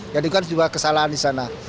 jadi kan juga kesalahan di sana